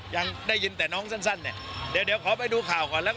ยังได้ยินแต่น้องสั้นเนี่ยเดี๋ยวขอไปดูข่าวก่อนแล้วกัน